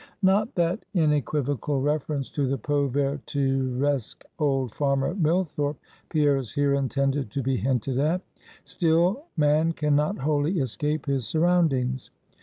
Not that in equivocal reference to the povertiresque old farmer Millthorpe, Pierre is here intended to be hinted at. Still, man can not wholly escape his surroundings.